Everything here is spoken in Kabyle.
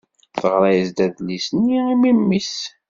Teɣra-as-d adlis-nni i memmi-s.